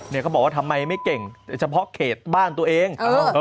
เขาบอกว่าทำไมไม่เก่งเฉพาะเขตบ้านตัวเอง